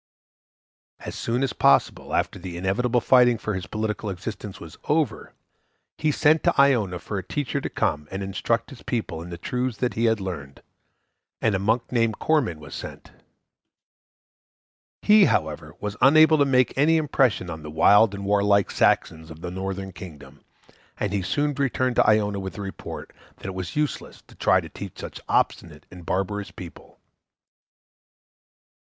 As soon as possible after the inevitable fighting for his political existence was over, he sent to Iona for a teacher to come and instruct his people in the truths he had learned; and a monk named Corman was sent. He, however, was unable to make any impression on the wild and warlike Saxons of the northern kingdom, and he soon returned to Iona with the report that it was useless to try to teach such obstinate and barbarous people.